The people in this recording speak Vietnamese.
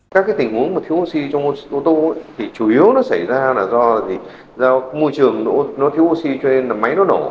các tình huống thiếu oxy trong ô tô chủ yếu nó xảy ra do môi trường thiếu oxy cho nên máy nó nổ